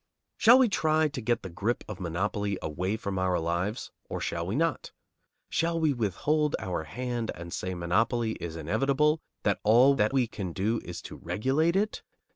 Shall we try to get the grip of monopoly away from our lives, or shall we not? Shall we withhold our hand and say monopoly is inevitable, that all that we can do is to regulate it?